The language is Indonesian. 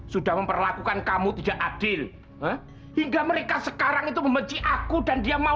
sampai jumpa di video selanjutnya